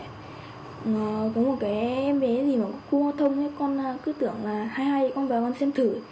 có một cái bé gì mà có khu hoa thông con cứ tưởng là hay hay con vào con xem thử